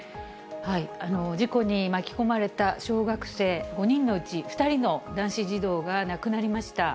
事故に巻き込まれた小学生５人のうち、２人の男子児童が亡くなりました。